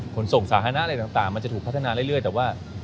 ขนส่งสาธารณะอะไรต่างมันจะถูกพัฒนาเรื่อยแต่ว่า